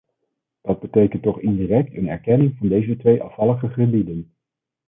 Dat betekent toch indirect een erkenning van deze twee afvallige gebieden?